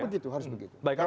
harus begitu harus begitu